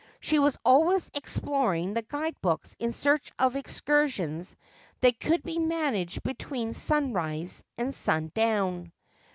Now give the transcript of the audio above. She was always exploring the guide books in search of excursions that could be man:iged between sunrise and sundown.